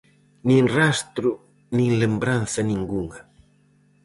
Nin rastro nin lembranza ningunha.